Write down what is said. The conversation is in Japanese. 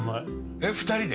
えっ２人で？